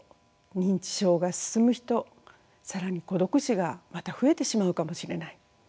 認知症が進む人更に孤独死がまた増えてしまうかもしれない。